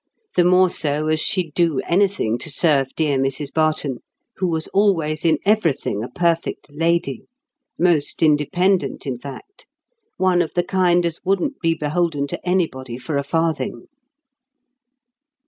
The more so as she'd do anything to serve dear Mrs Barton, who was always in everything a perfect lady, most independent, in fact; one of the kind as wouldn't be beholden to anybody for a farthing.